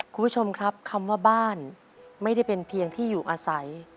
คุณผู้ชมครับคำว่าบ้านไม่ได้เป็นเพียงที่อยู่อาศัย